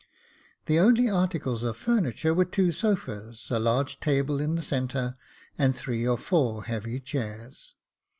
The only articles of furniture were two sofas, a large table in the centre, and three or four heavy chairs.